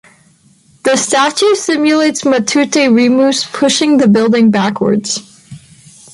The statue simulates Matute Remus pushing the building backwards.